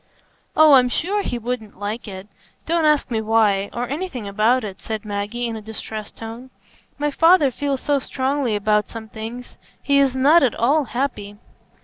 "Oh, I'm sure he wouldn't like it. Don't ask me why, or anything about it," said Maggie, in a distressed tone. "My father feels so strongly about some things. He is not at all happy."